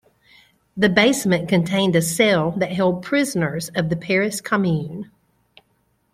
The basement contained a cell that held prisoners of the Paris Commune.